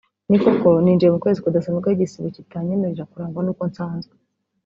“Ni koko ninjiye mu kwezi kudasanzwe aho igisibo kitanyemerera kurangwa n’uko nsanzwe